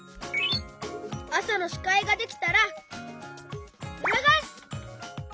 あさのしかいができたらうらがえす！